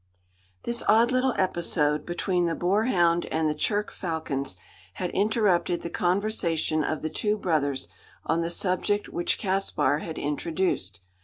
This odd little episode, between the boar hound and the churk falcons, had interrupted the conversation of the two brothers on the subject which Caspar had introduced.